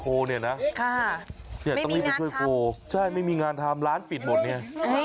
โคเนี่ยนะไม่มีงานทำใช่ไม่มีงานทำร้านปิดหมดเนี่ย